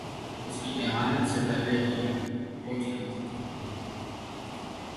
اس کی اہانت اس سے پہلے ہی ہو چکی تھی۔